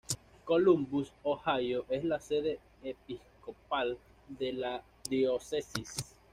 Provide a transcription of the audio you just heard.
Columbus, Ohio es la sede episcopal de la diócesis.